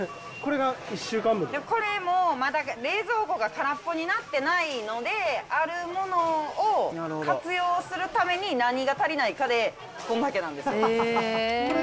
これもう、まだ冷蔵庫が空っぽになってないので、あるものを活用するために何が足りないかで、こんだけなんです。